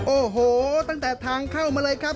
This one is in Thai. โอ้โหตั้งแต่ทางเข้ามาเลยครับ